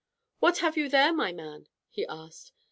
"What have you there, my man?" he asked.